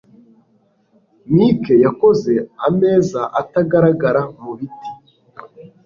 Mike yakoze ameza atagaragara mu biti.